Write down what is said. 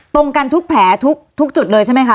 ตรงกันทุกแผลทุกจุดเลยใช่ไหมคะ